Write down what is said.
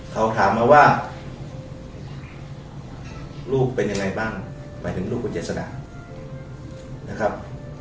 เขาถามมาว่าลูกเป็นยังไงบ้างหมายถึงลูกคุณเจษดานะครับ